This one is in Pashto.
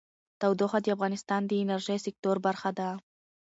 تودوخه د افغانستان د انرژۍ سکتور برخه ده.